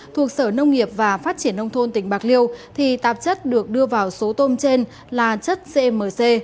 thuộc sở nông nghiệp và phát triển nông thôn tỉnh bạc liêu thì tạp chất được đưa vào số tôm trên là chất cmc